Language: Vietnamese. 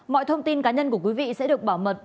mọi thông tin cá nhân của quý vị sẽ được bảo mật